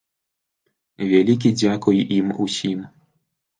Вялікі дзякуй ім усім.